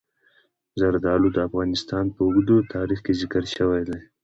زردالو د افغانستان په اوږده تاریخ کې ذکر شوی دی.